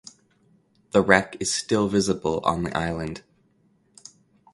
The wreck is still visible on the island.